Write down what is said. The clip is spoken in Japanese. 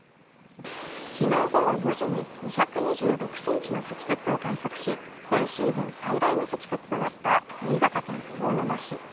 昨日午後４時に２２６ｃｍの積雪を観測し今シーズン最大の積雪となった新潟県魚沼市。